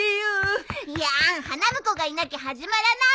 やん花婿がいなきゃ始まらないわ。